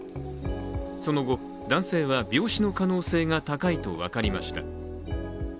その後、男性は病死の可能性が高いと分かりました。